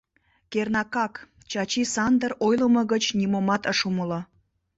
Кернакак, Чачи Сандыр ойлымо гыч нимомат ыш умыло.